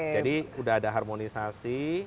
jadi sudah ada harmonisasi